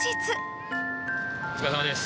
お疲れさまです。